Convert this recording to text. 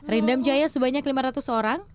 rindam jaya sebanyak lima ratus orang